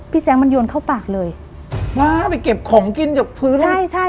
พี่แจ๊คมันโยนเข้าปากเลยมาไปเก็บของกินจากพื้นใช่ใช่